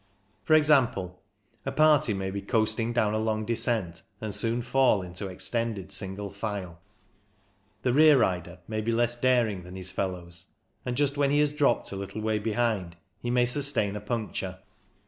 For example, a party may be coasting down a long descent, and soon fall into extended single file. The rear rider may be less daring than his fellows, and just when he has dropped a little way behind he may sustain a puncture.